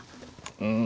うん。